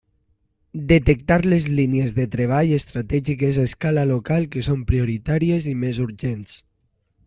Detectar les línies de treball estratègiques a escala local que són prioritàries i més urgents.